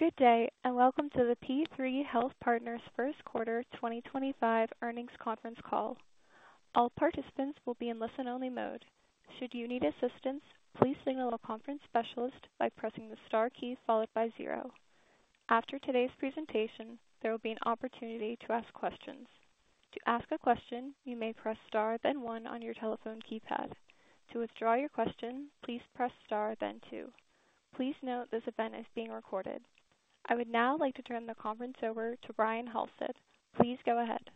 Good day, and welcome to the P3 Health Partners First Quarter 2025 Earnings Conference call. All participants will be in listen-only mode. Should you need assistance, please signal a conference specialist by pressing the star key followed by zero. After today's presentation, there will be an opportunity to ask questions. To ask a question, you may press star, then one on your telephone keypad. To withdraw your question, please press star, then two. Please note this event is being recorded. I would now like to turn the conference over to Ryan Halsted. Please go ahead.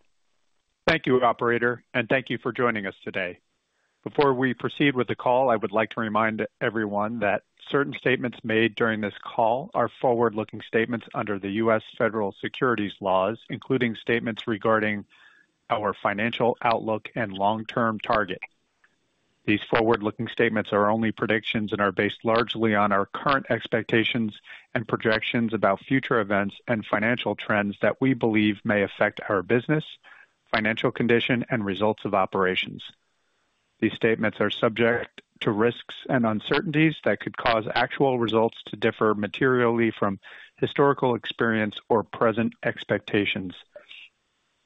Thank you, Operator, and thank you for joining us today. Before we proceed with the call, I would like to remind everyone that certain statements made during this call are forward-looking statements under the U.S. federal securities laws, including statements regarding our financial outlook and long-term target. These forward-looking statements are only predictions and are based largely on our current expectations and projections about future events and financial trends that we believe may affect our business, financial condition, and results of operations. These statements are subject to risks and uncertainties that could cause actual results to differ materially from historical experience or present expectations.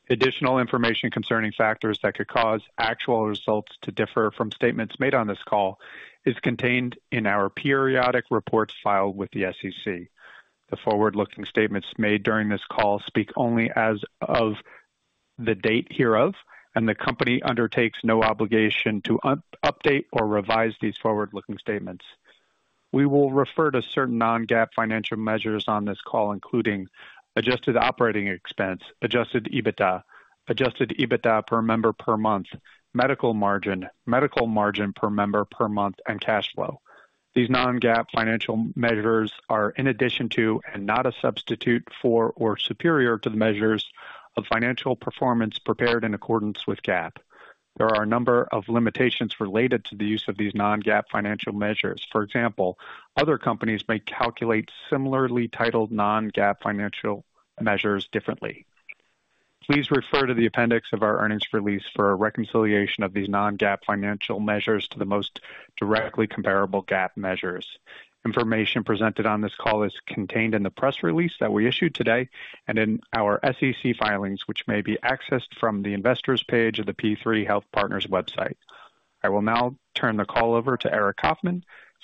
Additional information concerning factors that could cause actual results to differ from statements made on this call is contained in our periodic reports filed with the SEC. The forward-looking statements made during this call speak only as of the date hereof, and the company undertakes no obligation to update or revise these forward-looking statements. We will refer to certain non-GAAP financial measures on this call, including adjusted operating expense, adjusted EBITDA, adjusted EBITDA per member per month, medical margin, medical margin per member per month, and cash flow. These non-GAAP financial measures are in addition to and not a substitute for or superior to the measures of financial performance prepared in accordance with GAAP. There are a number of limitations related to the use of these non-GAAP financial measures. For example, other companies may calculate similarly titled non-GAAP financial measures differently. Please refer to the appendix of our earnings release for a reconciliation of these non-GAAP financial measures to the most directly comparable GAAP measures. Information presented on this call is contained in the press release that we issued today and in our SEC filings, which may be accessed from the investors' page of the P3 Health Partners website. I will now turn the call over to Aric Coffman,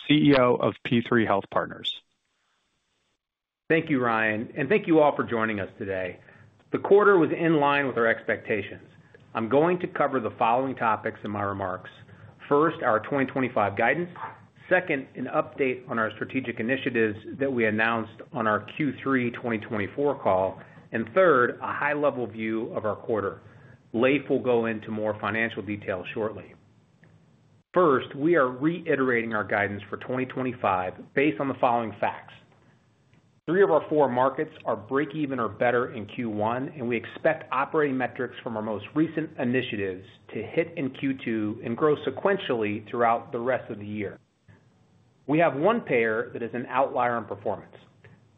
CEO of P3 Health Partners. Thank you, Ryan, and thank you all for joining us today. The quarter was in line with our expectations. I'm going to cover the following topics in my remarks. First, our 2025 guidance. Second, an update on our strategic initiatives that we announced on our Q3 2024 call. Third, a high-level view of our quarter. Leif will go into more financial details shortly. First, we are reiterating our guidance for 2025 based on the following facts. Three of our four markets are break-even or better in Q1, and we expect operating metrics from our most recent initiatives to hit in Q2 and grow sequentially throughout the rest of the year. We have one payer that is an outlier in performance.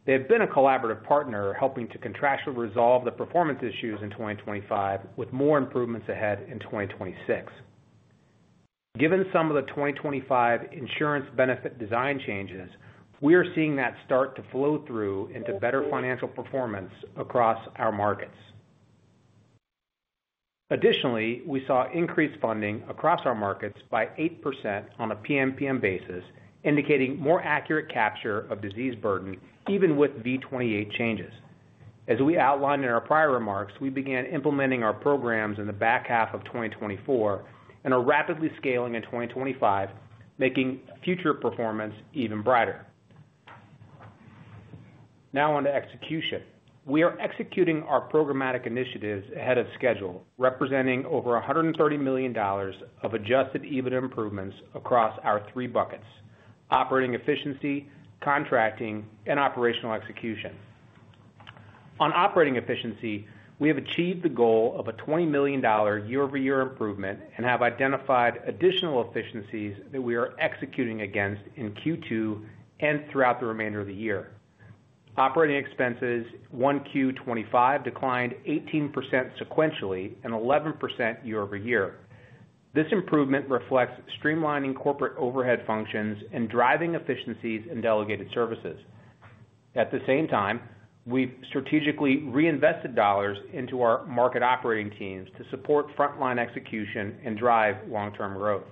They have been a collaborative partner helping to contractually resolve the performance issues in 2025, with more improvements ahead in 2026. Given some of the 2025 insurance benefit design changes, we are seeing that start to flow through into better financial performance across our markets. Additionally, we saw increased funding across our markets by 8% on a PM/PM basis, indicating more accurate capture of disease burden, even with V28 changes. As we outlined in our prior remarks, we began implementing our programs in the back half of 2024 and are rapidly scaling in 2025, making future performance even brighter. Now on to execution. We are executing our programmatic initiatives ahead of schedule, representing over $130 million of adjusted EBITDA improvements across our three buckets: operating efficiency, contracting, and operational execution. On operating efficiency, we have achieved the goal of a $20 million year-over-year improvement and have identified additional efficiencies that we are executing against in Q2 and throughout the remainder of the year. Operating expenses in Q2 2025 declined 18% sequentially and 11% year-over-year. This improvement reflects streamlining corporate overhead functions and driving efficiencies in delegated services. At the same time, we've strategically reinvested dollars into our market operating teams to support frontline execution and drive long-term growth.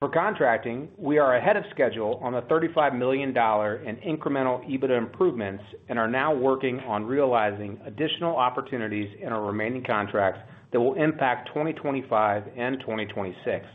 For contracting, we are ahead of schedule on the $35 million in incremental EBITDA improvements and are now working on realizing additional opportunities in our remaining contracts that will impact 2025 and 2026.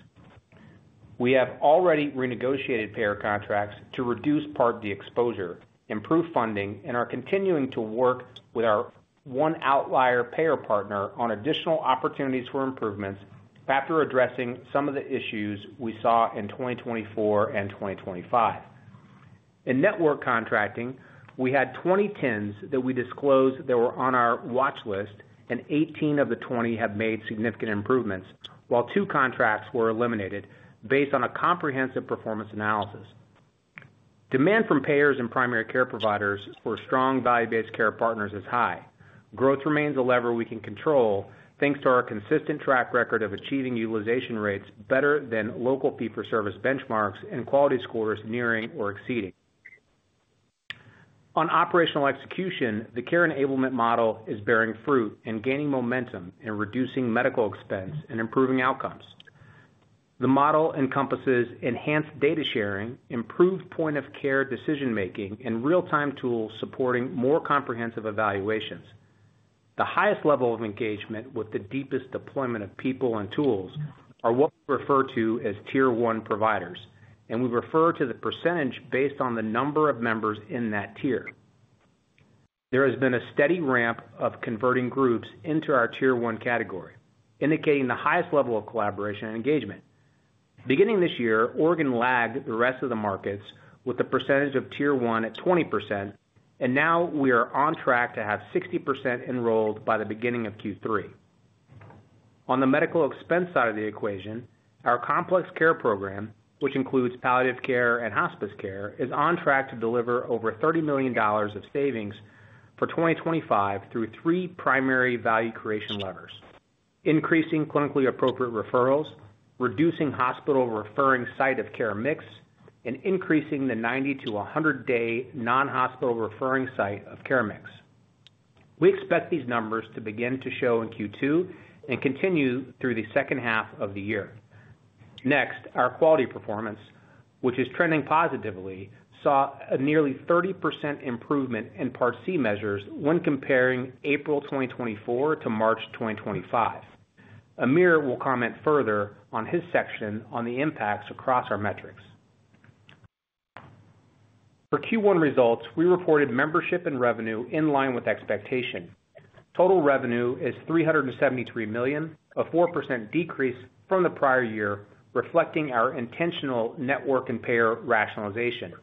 We have already renegotiated payer contracts to reduce part of the exposure, improve funding, and are continuing to work with our one outlier payer partner on additional opportunities for improvements after addressing some of the issues we saw in 2024 and 2025. In network contracting, we had 20 TINs that we disclosed that were on our watch list, and 18 of the 20 have made significant improvements, while two contracts were eliminated based on a comprehensive performance analysis. Demand from payers and primary care providers for strong value-based care partners is high. Growth remains a lever we can control, thanks to our consistent track record of achieving utilization rates better than local fee-for-service benchmarks and quality scores nearing or exceeding. On operational execution, the care enablement model is bearing fruit and gaining momentum in reducing medical expense and improving outcomes. The model encompasses enhanced data sharing, improved point-of-care decision-making, and real-time tools supporting more comprehensive evaluations. The highest level of engagement with the deepest deployment of people and tools are what we refer to as tier one providers, and we refer to the percentage based on the number of members in that tier. There has been a steady ramp of converting groups into our tier one category, indicating the highest level of collaboration and engagement. Beginning this year, Oregon lagged the rest of the markets with a percentage of tier one at 20%, and now we are on track to have 60% enrolled by the beginning of Q3. On the medical expense side of the equation, our complex care program, which includes palliative care and hospice care, is on track to deliver over $30 million of savings for 2025 through three primary value creation levers: increasing clinically appropriate referrals, reducing hospital referring site of care mix, and increasing the 90- to 100-day non-hospital referring site of care mix. We expect these numbers to begin to show in Q2 and continue through the second half of the year. Next, our quality performance, which is trending positively, saw a nearly 30% improvement in Part C measures when comparing April 2024 to March 2025. Amir will comment further on his section on the impacts across our metrics. For Q1 results, we reported membership and revenue in line with expectation. Total revenue is $373 million, a 4% decrease from the prior year, reflecting our intentional network and payer rationalization.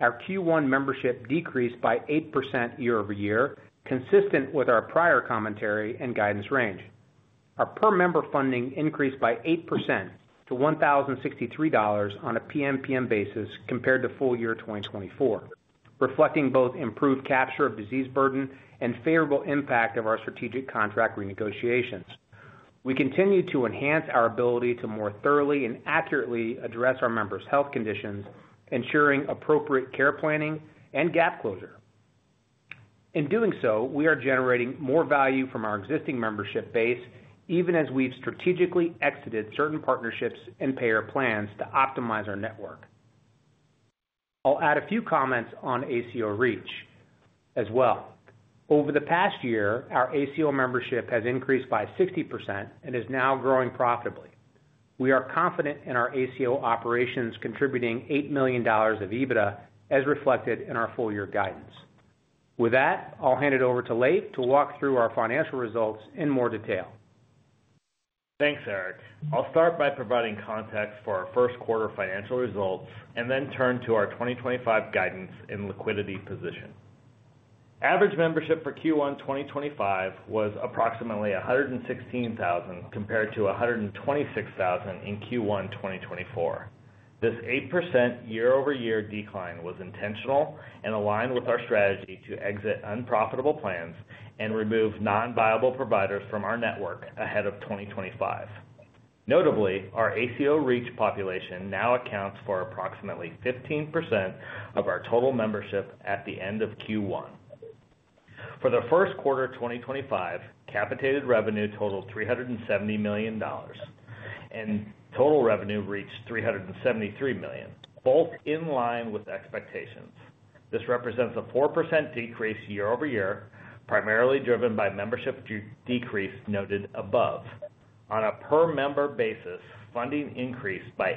Our Q1 membership decreased by 8% year-over-year, consistent with our prior commentary and guidance range. Our per-member funding increased by 8% to $1,063 on a PM/PM basis compared to full year 2024, reflecting both improved capture of disease burden and favorable impact of our strategic contract renegotiations. We continue to enhance our ability to more thoroughly and accurately address our members' health conditions, ensuring appropriate care planning and gap closure. In doing so, we are generating more value from our existing membership base, even as we've strategically exited certain partnerships and payer plans to optimize our network. I'll add a few comments on ACO REACH as well. Over the past year, our ACO membership has increased by 60% and is now growing profitably. We are confident in our ACO operations contributing $8 million of EBITDA, as reflected in our full-year guidance. With that, I'll hand it over to Leif to walk through our financial results in more detail. Thanks, Aric. I'll start by providing context for our first quarter financial results and then turn to our 2025 guidance in liquidity position. Average membership for Q1 2025 was approximately 116,000 compared to 126,000 in Q1 2024. This 8% year-over-year decline was intentional and aligned with our strategy to exit unprofitable plans and remove non-viable providers from our network ahead of 2025. Notably, our ACO REACH population now accounts for approximately 15% of our total membership at the end of Q1. For the first quarter 2025, capitated revenue totaled $370 million, and total revenue reached $373 million, both in line with expectations. This represents a 4% decrease year-over-year, primarily driven by membership decrease noted above. On a per-member basis, funding increased by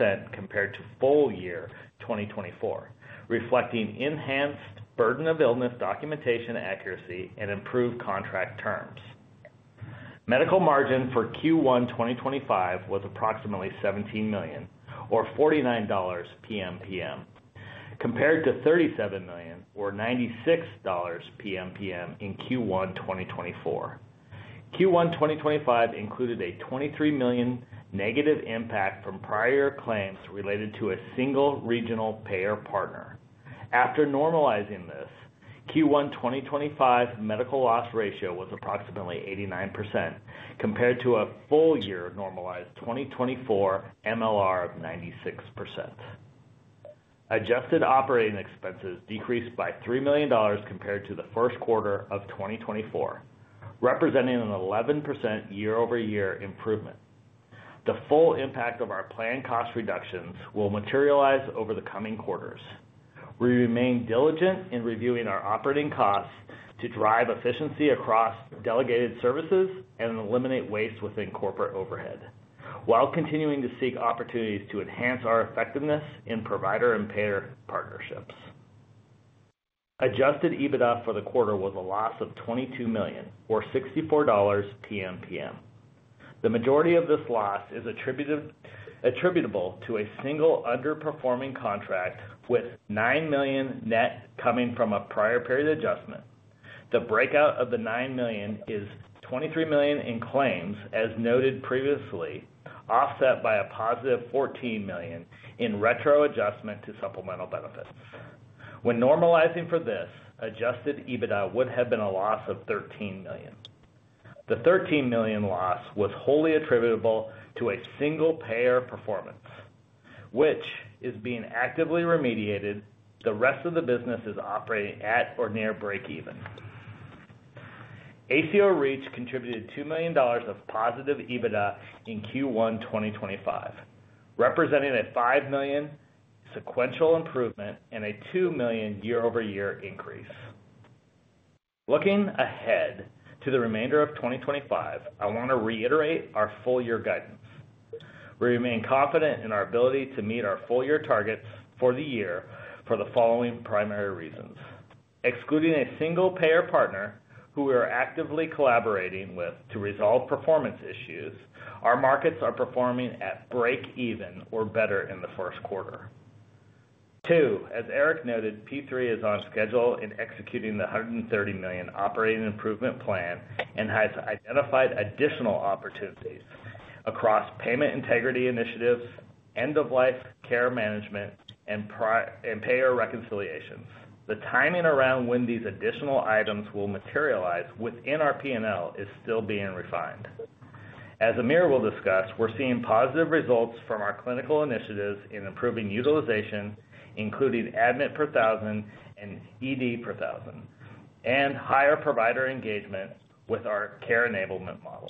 8% compared to full year 2024, reflecting enhanced burden of illness documentation accuracy and improved contract terms. Medical margin for Q1 2025 was approximately $17 million, or $49 PM/PM, compared to $37 million, or $96 PM/PM in Q1 2024. Q1 2025 included a $23 million negative impact from prior claims related to a single regional payer partner. After normalizing this, Q1 2025 medical loss ratio was approximately 89%, compared to a full-year normalized 2024 MLR of 96%. Adjusted operating expenses decreased by $3 million compared to the first quarter of 2024, representing an 11% year-over-year improvement. The full impact of our planned cost reductions will materialize over the coming quarters. We remain diligent in reviewing our operating costs to drive efficiency across delegated services and eliminate waste within corporate overhead, while continuing to seek opportunities to enhance our effectiveness in provider and payer partnerships. Adjusted EBITDA for the quarter was a loss of $22 million, or $64 PM/PM. The majority of this loss is attributable to a single underperforming contract with $9 million net coming from a prior period adjustment. The breakout of the $9 million is $23 million in claims, as noted previously, offset by a positive $14 million in retro adjustment to supplemental benefits. When normalizing for this, adjusted EBITDA would have been a loss of $13 million. The $13 million loss was wholly attributable to a single payer performance, which is being actively remediated. The rest of the business is operating at or near break-even. ACO REACH contributed $2 million of positive EBITDA in Q1 2025, representing a $5 million sequential improvement and a $2 million year-over-year increase. Looking ahead to the remainder of 2025, I want to reiterate our full-year guidance. We remain confident in our ability to meet our full-year targets for the year for the following primary reasons: excluding a single payer partner who we are actively collaborating with to resolve performance issues, our markets are performing at break-even or better in the first quarter. Two, as Aric noted, P3 is on schedule in executing the $130 million operating improvement plan and has identified additional opportunities across payment integrity initiatives, end-of-life care management, and payer reconciliations. The timing around when these additional items will materialize within our P&L is still being refined. As Amir will discuss, we're seeing positive results from our clinical initiatives in improving utilization, including admit per thousand and ED per thousand, and higher provider engagement with our care enablement model.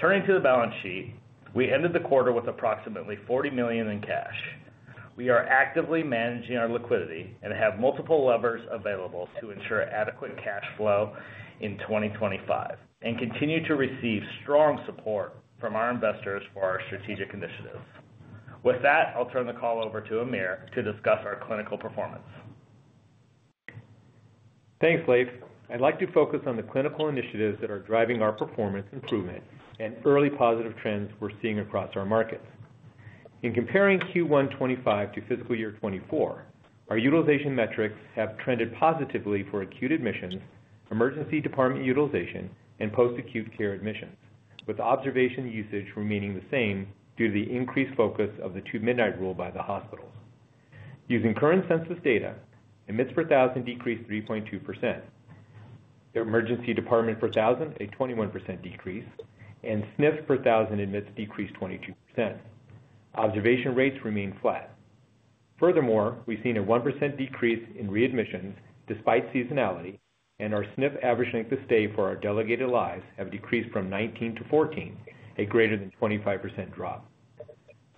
Turning to the balance sheet, we ended the quarter with approximately $40 million in cash. We are actively managing our liquidity and have multiple levers available to ensure adequate cash flow in 2025 and continue to receive strong support from our investors for our strategic initiatives. With that, I'll turn the call over to Amir to discuss our clinical performance. Thanks, Leif. I'd like to focus on the clinical initiatives that are driving our performance improvement and early positive trends we're seeing across our markets. In comparing Q1 2025 to fiscal year 2024, our utilization metrics have trended positively for acute admissions, emergency department utilization, and post-acute care admissions, with observation usage remaining the same due to the increased focus of the two midnight rule by the hospitals. Using current census data, admits per thousand decreased 3.2%. Their emergency department per thousand, a 21% decrease, and SNF per thousand admits decreased 22%. Observation rates remain flat. Furthermore, we've seen a 1% decrease in readmissions despite seasonality, and our SNF average length of stay for our delegated lives have decreased from 19 to 14, a greater than 25% drop.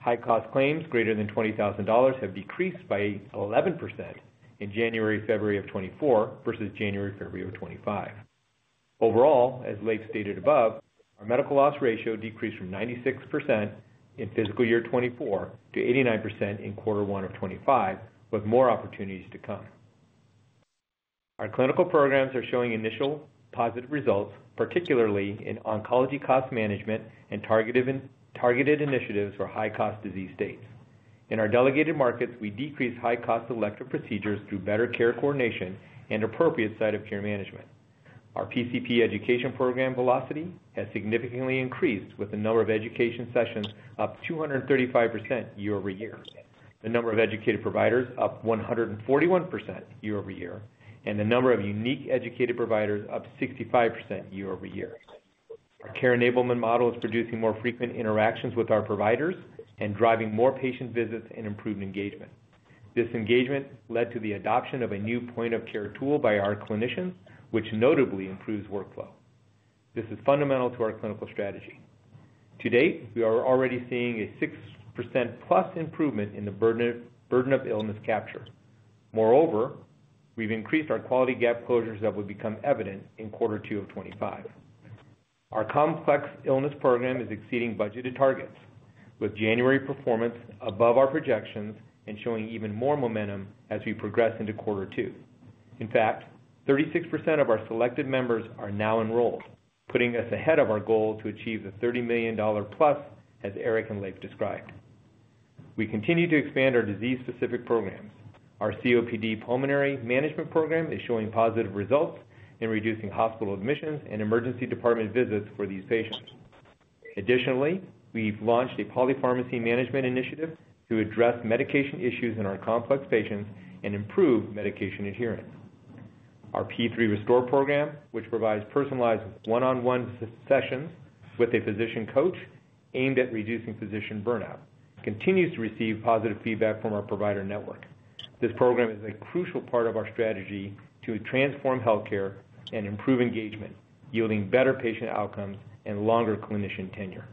High-cost claims greater than $20,000 have decreased by 11% in January-February of 2024 versus January-February of 2025. Overall, as Leif stated above, our medical loss ratio decreased from 96% in fiscal year 2024 to 89% in quarter one of 2025, with more opportunities to come. Our clinical programs are showing initial positive results, particularly in oncology cost management and targeted initiatives for high-cost disease states. In our delegated markets, we decreased high-cost elective procedures through better care coordination and appropriate site of care management. Our PCP education program velocity has significantly increased, with the number of education sessions up 235% year-over-year, the number of educated providers up 141% year-over-year, and the number of unique educated providers up 65% year-over-year. Our care enablement model is producing more frequent interactions with our providers and driving more patient visits and improved engagement. This engagement led to the adoption of a new point-of-care tool by our clinicians, which notably improves workflow. This is fundamental to our clinical strategy. To date, we are already seeing a 6%+ improvement in the burden of illness capture. Moreover, we've increased our quality gap closures that will become evident in quarter two of 2025. Our complex illness program is exceeding budgeted targets, with January performance above our projections and showing even more momentum as we progress into quarter two. In fact, 36% of our selected members are now enrolled, putting us ahead of our goal to achieve the $30 million+ as Aric and Leif described. We continue to expand our disease-specific programs. Our COPD pulmonary management program is showing positive results in reducing hospital admissions and emergency department visits for these patients. Additionally, we've launched a polypharmacy management initiative to address medication issues in our complex patients and improve medication adherence. Our P3 Restore program, which provides personalized one-on-one sessions with a physician coach aimed at reducing physician burnout, continues to receive positive feedback from our provider network. This program is a crucial part of our strategy to transform healthcare and improve engagement, yielding better patient outcomes and longer clinician tenure.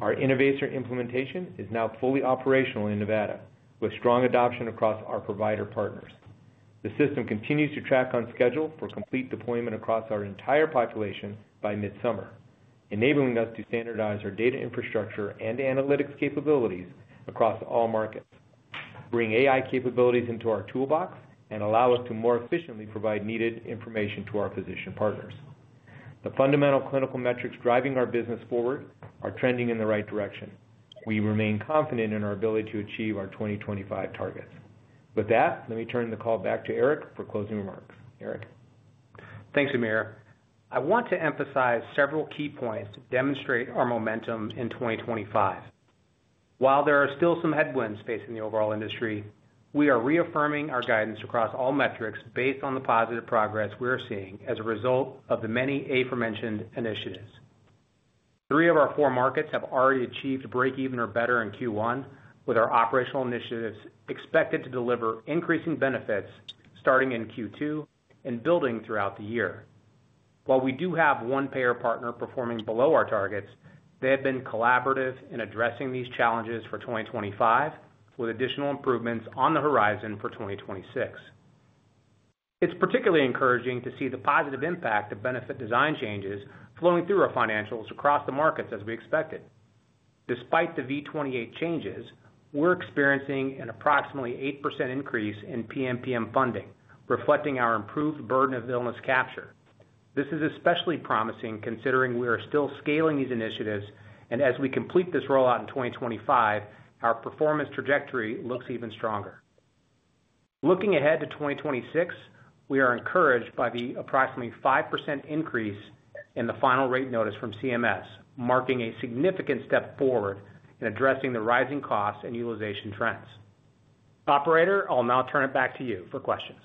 Our Innovaser implementation is now fully operational in Nevada, with strong adoption across our provider partners. The system continues to track on schedule for complete deployment across our entire population by mid-summer, enabling us to standardize our data infrastructure and analytics capabilities across all markets, bring AI capabilities into our toolbox, and allow us to more efficiently provide needed information to our physician partners. The fundamental clinical metrics driving our business forward are trending in the right direction. We remain confident in our ability to achieve our 2025 targets. With that, let me turn the call back to Aric for closing remarks. Aric. Thanks, Amir. I want to emphasize several key points to demonstrate our momentum in 2025. While there are still some headwinds facing the overall industry, we are reaffirming our guidance across all metrics based on the positive progress we are seeing as a result of the many aforementioned initiatives. Three of our four markets have already achieved break-even or better in Q1, with our operational initiatives expected to deliver increasing benefits starting in Q2 and building throughout the year. While we do have one payer partner performing below our targets, they have been collaborative in addressing these challenges for 2025, with additional improvements on the horizon for 2026. It is particularly encouraging to see the positive impact of benefit design changes flowing through our financials across the markets as we expected. Despite the V28 changes, we are experiencing an approximately 8% increase in PM/PM funding, reflecting our improved burden of illness capture. This is especially promising considering we are still scaling these initiatives, and as we complete this rollout in 2025, our performance trajectory looks even stronger. Looking ahead to 2026, we are encouraged by the approximately 5% increase in the final rate notice from CMS, marking a significant step forward in addressing the rising costs and utilization trends. Operator, I'll now turn it back to you for questions.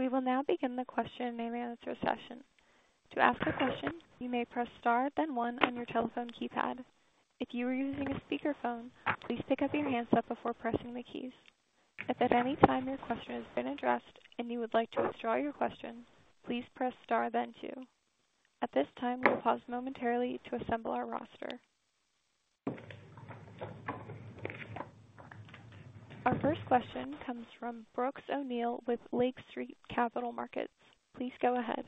We will now begin the question and answer session. To ask a question, you may press star, then one on your telephone keypad. If you are using a speakerphone, please pick up your handset before pressing the keys. If at any time your question has been addressed and you would like to withdraw your question, please press star, then two. At this time, we'll pause momentarily to assemble our roster. Our first question comes from Brooks O'Neill with Lake Street Capital Markets. Please go ahead.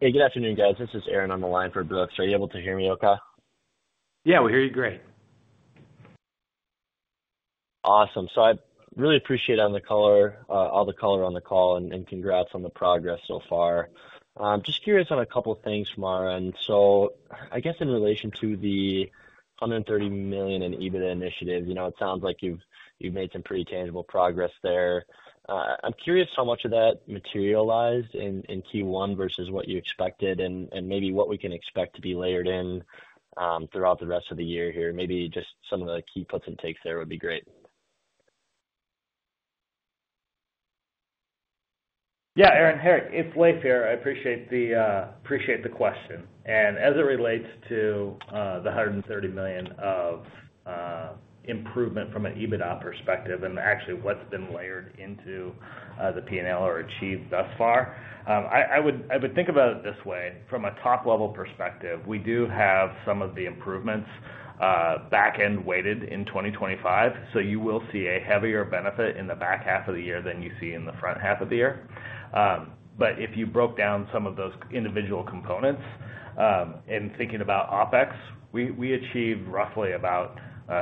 Hey, good afternoon, guys. This is Aaron on the line for Brooks. Are you able to hear me okay? Yeah, we hear you great. Awesome. I really appreciate all the color on the call and congrats on the progress so far. Just curious on a couple of things from our end. I guess in relation to the $130 million in EBITDA initiative, it sounds like you've made some pretty tangible progress there. I'm curious how much of that materialized in Q1 versus what you expected and maybe what we can expect to be layered in throughout the rest of the year here. Maybe just some of the key puts and takes there would be great. Yeah, Aaron. Hey, it's Leif here. I appreciate the question. As it relates to the $130 million of improvement from an EBITDA perspective and actually what's been layered into the P&L or achieved thus far, I would think about it this way. From a top-level perspective, we do have some of the improvements back-end weighted in 2025, so you will see a heavier benefit in the back half of the year than you see in the front half of the year. If you broke down some of those individual components and thinking about OpEx, we achieved roughly about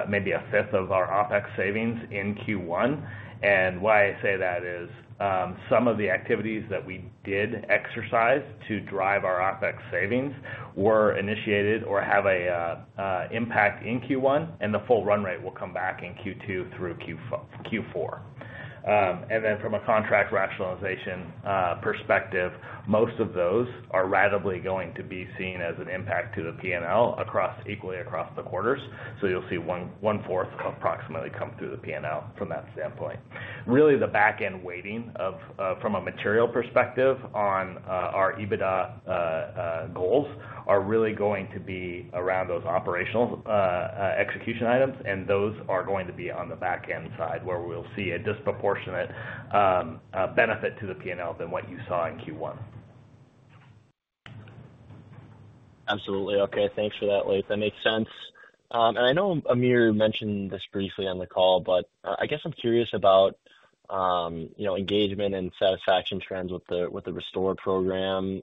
maybe a fifth of our OpEx savings in Q1. Why I say that is some of the activities that we did exercise to drive our OpEx savings were initiated or have an impact in Q1, and the full run rate will come back in Q2 through Q4. From a contract rationalization perspective, most of those are radically going to be seen as an impact to the P&L equally across the quarters. You will see one-fourth approximately come through the P&L from that standpoint. Really, the back-end weighting from a material perspective on our EBITDA goals are really going to be around those operational execution items, and those are going to be on the back-end side where we will see a disproportionate benefit to the P&L than what you saw in Q1. Absolutely. Okay. Thanks for that, Leif. That makes sense. I know Amir mentioned this briefly on the call, but I guess I'm curious about engagement and satisfaction trends with the Restore program.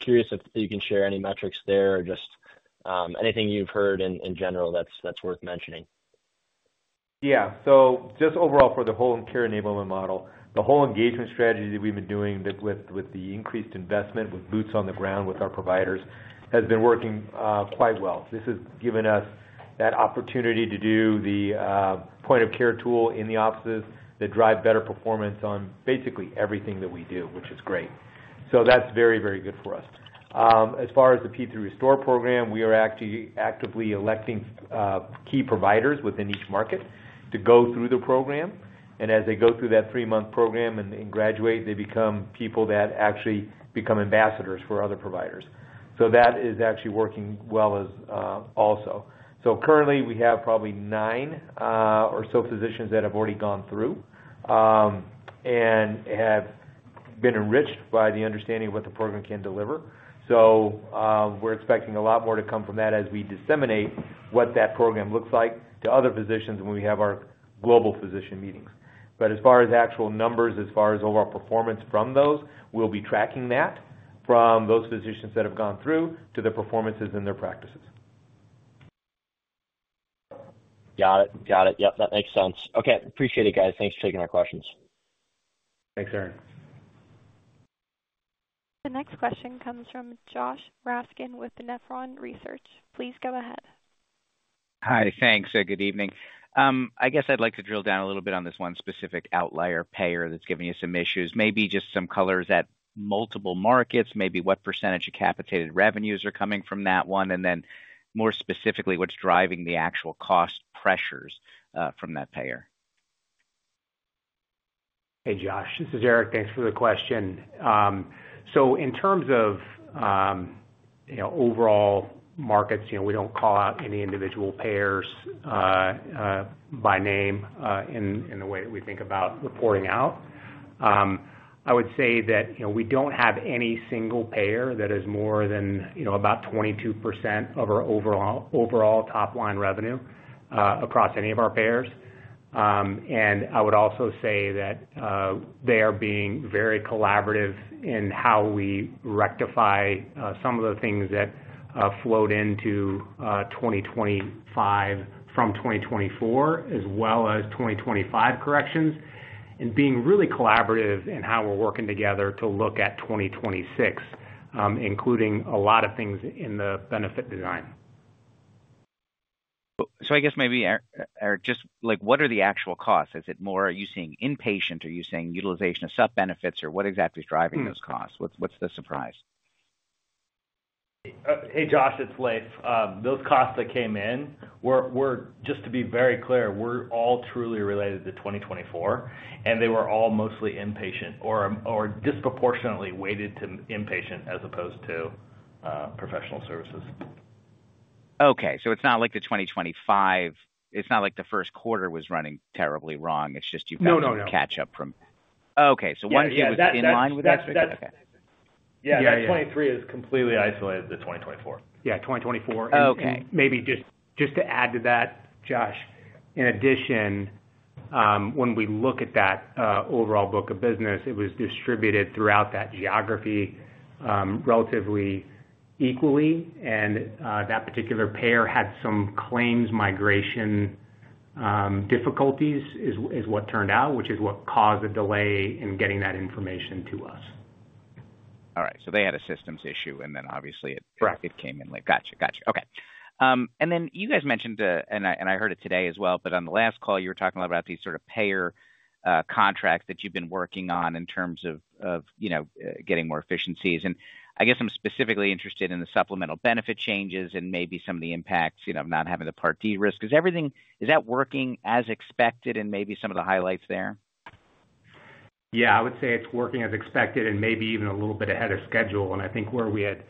Curious if you can share any metrics there or just anything you've heard in general that's worth mentioning. Yeah. So just overall, for the whole care enablement model, the whole engagement strategy that we've been doing with the increased investment, with boots on the ground with our providers, has been working quite well. This has given us that opportunity to do the point-of-care tool in the offices that drives better performance on basically everything that we do, which is great. That is very, very good for us. As far as the P3 Restore program, we are actively electing key providers within each market to go through the program. As they go through that three-month program and graduate, they become people that actually become ambassadors for other providers. That is actually working well also. Currently, we have probably nine or so physicians that have already gone through and have been enriched by the understanding of what the program can deliver. We're expecting a lot more to come from that as we disseminate what that program looks like to other physicians when we have our global physician meetings. As far as actual numbers, as far as overall performance from those, we'll be tracking that from those physicians that have gone through to their performances and their practices. Got it. Got it. Yep, that makes sense. Okay. Appreciate it, guys. Thanks for taking our questions. Thanks, Aaron. The next question comes from Josh Raskin with Nephron Research. Please go ahead. Hi. Thanks. Good evening. I guess I'd like to drill down a little bit on this one specific outlier payer that's giving you some issues. Maybe just some color at multiple markets, maybe what percentage of capitated revenues are coming from that one, and then more specifically, what's driving the actual cost pressures from that payer. Hey, Josh. This is Aric. Thanks for the question. In terms of overall markets, we do not call out any individual payers by name in the way that we think about reporting out. I would say that we do not have any single payer that is more than about 22% of our overall top-line revenue across any of our payers. I would also say that they are being very collaborative in how we rectify some of the things that flowed into 2025 from 2024, as well as 2025 corrections, and being really collaborative in how we are working together to look at 2026, including a lot of things in the benefit design. I guess maybe, Aric, just what are the actual costs? Are you seeing inpatient? Are you seeing utilization of sub-benefits? Or what exactly is driving those costs? What's the surprise? Hey, Josh. It's Leif. Those costs that came in, just to be very clear, were all truly related to 2024, and they were all mostly inpatient or disproportionately weighted to inpatient as opposed to professional services. Okay. So it's not like the 2025, it's not like the first quarter was running terribly wrong. It's just you've had. No, no, no. No catch-up from. Okay. So one key was in line with that. Yeah. That's exactly. Okay. Yeah. Yeah. Twenty-three is completely isolated to 2024. Yeah 2024. Okay. Maybe just to add to that, Josh, in addition, when we look at that overall book of business, it was distributed throughout that geography relatively equally. That particular payer had some claims migration difficulties, which is what turned out, which is what caused the delay in getting that information to us. All right. So they had a systems issue, and then obviously it came in late. Correct. Gotcha. Gotcha. Okay. You guys mentioned a—and I heard it today as well—but on the last call, you were talking about these sort of payer contracts that you've been working on in terms of getting more efficiencies. I guess I'm specifically interested in the supplemental benefit changes and maybe some of the impacts of not having the Part D risk. Is that working as expected in maybe some of the highlights there? Yeah. I would say it's working as expected and maybe even a little bit ahead of schedule. I think where we had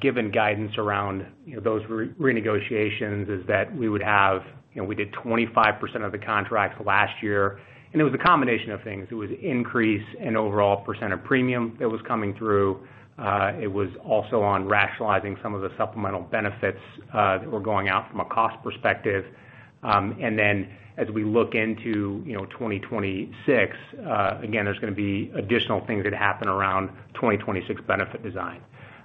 given guidance around those renegotiations is that we would have—we did 25% of the contracts last year. It was a combination of things. It was increase in overall % of premium that was coming through. It was also on rationalizing some of the supplemental benefits that were going out from a cost perspective. As we look into 2026, again, there's going to be additional things that happen around 2026 benefit design.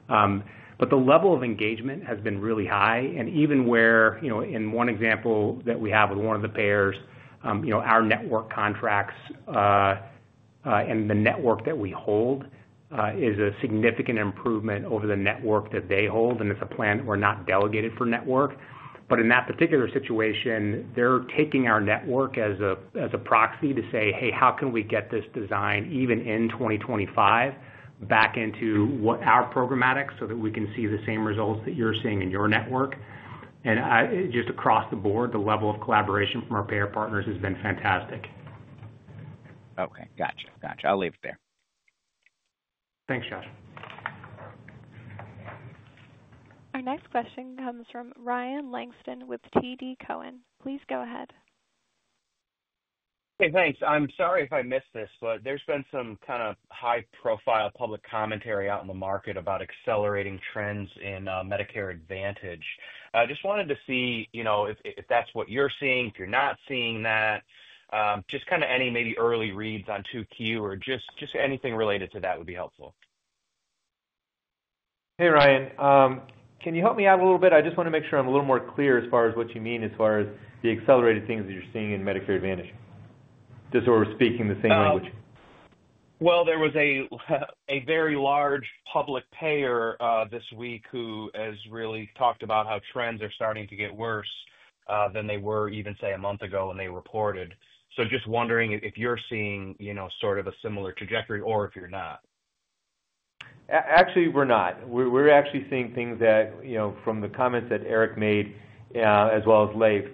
The level of engagement has been really high. Even where in one example that we have with one of the payers, our network contracts and the network that we hold is a significant improvement over the network that they hold. It's a plan that we're not delegated for network. In that particular situation, they're taking our network as a proxy to say, "Hey, how can we get this design even in 2025 back into our programmatic so that we can see the same results that you're seeing in your network?" Just across the board, the level of collaboration from our payer partners has been fantastic. Okay. Gotcha. Gotcha. I'll leave it there. Thanks, Josh. Our next question comes from Ryan Langston with TD Cowen. Please go ahead. Hey, thanks. I'm sorry if I missed this, but there's been some kind of high-profile public commentary out in the market about accelerating trends in Medicare Advantage. Just wanted to see if that's what you're seeing, if you're not seeing that, just kind of any maybe early reads on 2Q or just anything related to that would be helpful. Hey, Ryan. Can you help me out a little bit? I just want to make sure I'm a little more clear as far as what you mean as far as the accelerated things that you're seeing in Medicare Advantage, just so we're speaking the same language. There was a very large public payer this week who has really talked about how trends are starting to get worse than they were even, say, a month ago when they reported. Just wondering if you're seeing sort of a similar trajectory or if you're not. Actually, we're not. We're actually seeing things that from the comments that Aric made as well as Leif,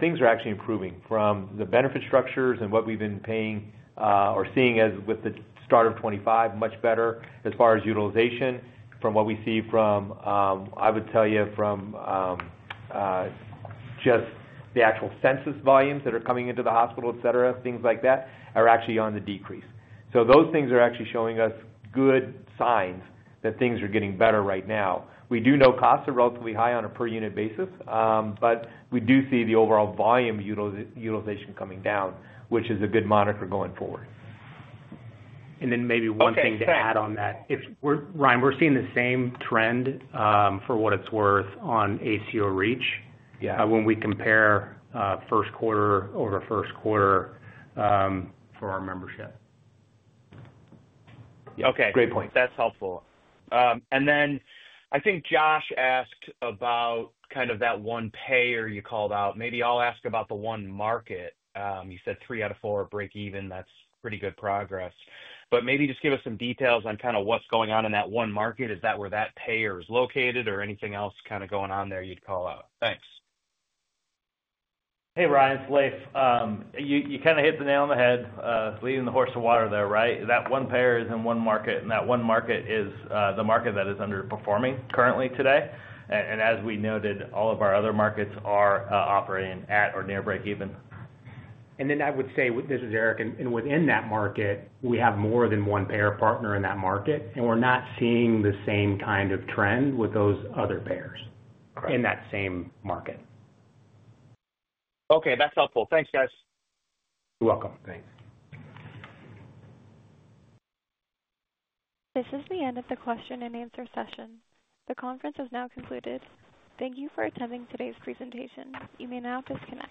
things are actually improving from the benefit structures and what we've been paying or seeing as with the start of 2025, much better as far as utilization from what we see from, I would tell you, from just the actual census volumes that are coming into the hospital, etc., things like that are actually on the decrease. Those things are actually showing us good signs that things are getting better right now. We do know costs are relatively high on a per-unit basis, but we do see the overall volume utilization coming down, which is a good monitor going forward. Maybe one thing to add on that. Ryan, we're seeing the same trend for what it's worth on ACO REACH when we compare first quarter over first quarter for our membership. Okay. Great point. That's helpful. I think Josh asked about kind of that one payer you called out. Maybe I'll ask about the one market. You said three out of four are break-even. That's pretty good progress. Maybe just give us some details on kind of what's going on in that one market. Is that where that payer is located or anything else kind of going on there you'd call out? Thanks. Hey, Ryan. It's Leif. You kind of hit the nail on the head leaving the horse of water there, right? That one payer is in one market, and that one market is the market that is underperforming currently today. As we noted, all of our other markets are operating at or near break-even. I would say, this is Aric, and within that market, we have more than one payer partner in that market, and we're not seeing the same kind of trend with those other payers in that same market. Okay. That's helpful. Thanks, guys. You're welcome. Thanks. This is the end of the question and answer session. The conference is now concluded. Thank you for attending today's presentation. You may now disconnect.